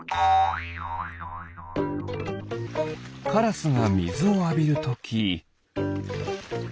カラスがみずをあびるとき。